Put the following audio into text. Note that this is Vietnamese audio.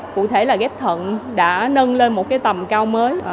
cụ thể là ghép thận đã nâng lên một cái tầm cao mới